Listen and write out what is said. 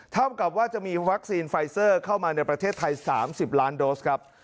เท่ากับว่าจะมีวัคซีนไฟเซอร์เข้ามาในประเทศไทย๓๐ล้านโดสครับ